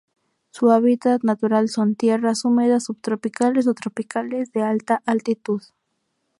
Su hábitat natural son: tierras húmedas subtropicales o tropicales de alta altitud.